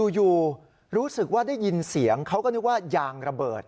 อยู่รู้สึกว่าได้ยินเสียงเขาก็นึกว่ายางระเบิด